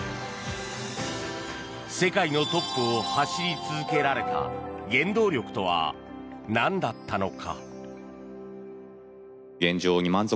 世界のトップを走り続けられた原動力とはなんだったのか。